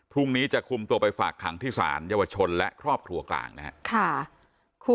พรุ่งนี้จะคุมตัวไปฝากขังที่ศาลเยาวชนและครอบครัวกลางนะครับ